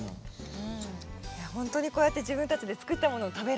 いやほんとにこうやって自分たちで作ったものを食べられる。